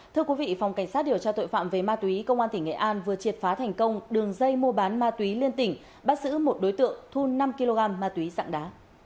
thưa quý vị phòng cảnh sát điều tra tội phạm về ma túy công an tỉnh nghệ an vừa triệt phá thành công đường dây mua bán ma túy liên tỉnh bắt giữ một đối tượng thu năm kg ma túy dạng đá